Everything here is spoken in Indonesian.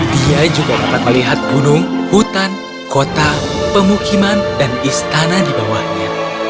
dia juga dapat melihat gunung hutan kota pemukiman dan istana di bawahnya